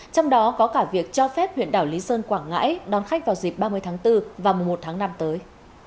trong đó có cả việc cho phép huyện đảo lý sơn quảng ngãi đón khách vào dịp ba mươi tháng bốn và mùa một tháng năm tới